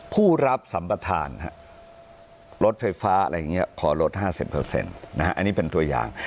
ผู้รับสัมประทานรถไฟฟ้าขอลด๕๐อันนี้เป็นตัวอย่าง